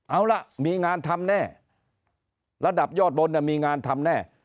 เอาล่ะมีงานทำแน่ระดับยอดบนมีงานทำแน่